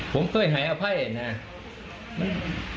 ผมก็จะหายอภัยเนี่ยมัน